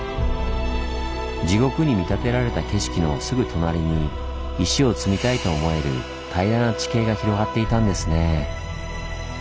地獄に見立てられた景色のすぐ隣に石を積みたいと思える平らな地形が広がっていたんですねぇ。